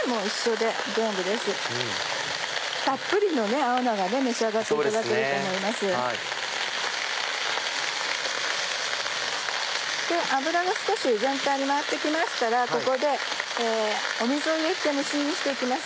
で油が少し全体に回って来ましたらここで水を入れて蒸し煮にして行きます。